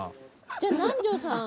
じゃあ南條さん。